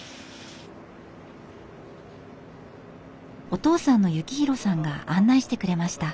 お父さんの幸弘さんが案内してくれました。